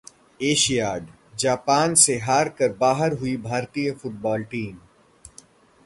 Asiad: Japan से हारकर बाहर हुई भारतीय फुटबॉल टीम